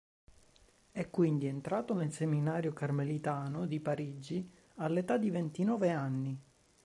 È quindi entrato nel seminario carmelitano di Parigi all'età di ventinove anni.